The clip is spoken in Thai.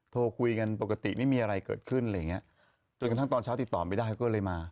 โทรคุยกันปกติไม่มีอะไรเกิดขึ้นจนกระทั่งตอนเช้าติดต่อไม่ได้ก็เลยมา